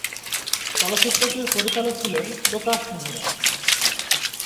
চলচ্চিত্রটির পরিচালক ছিলেন প্রকাশ মেহরা।